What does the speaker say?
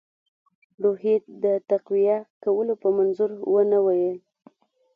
روحیې د تقویه کولو په منظور ونه ویل.